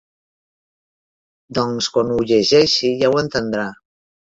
Doncs quan ho llegeixi ja ho entendrà.